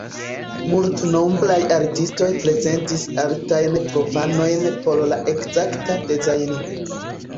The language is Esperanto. Multnombraj artistoj prezentis artajn proponojn por la ekzakta dezajno.